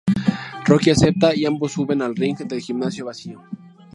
Rocky acepta y ambos suben al ring del gimnasio vacío.